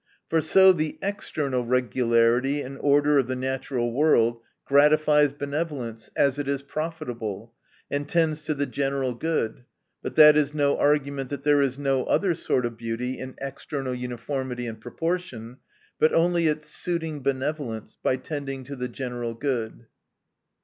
For so the external regularity and order of the natural world gratifies benevolence, as it is profitable, and tends to the general good ; but that is no argument, that THE NATURE OF VIRTUE. 277 there is no other sort of beauty in external uniformity and proportion, but only its suiting benevolence by tending to the general good.